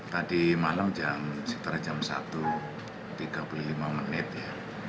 tadi malam sekitar jam satu tiga puluh lima menit ya